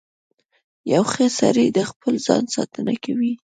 • یو ښه سړی د خپل ځان ساتنه کوي.